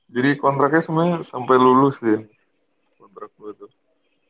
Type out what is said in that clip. jadi kontraknya sebenernya sampai lulus sih kontrak gue tuh